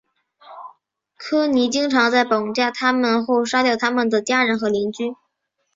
科尼经常在绑架他们后杀掉他们的家人和邻居。